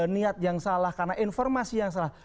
niat yang salah karena informasi yang salah